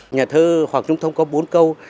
nhà thơ hoàng trung thông có bốn câu